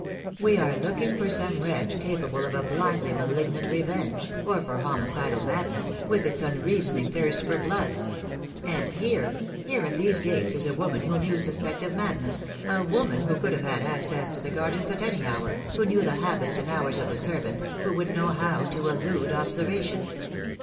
We are looking for some wretch capable of a blindly malignant revenge, or for homicidal madness, with its unreasoning thirst for blood; and here, here at these gates is a woman whom you suspect of madness, a woman who could have had ac THE DAY WILL COME. 131 cess to the gardens at any hour, who knew the habits and hours of the servants, who would know how to elude observation."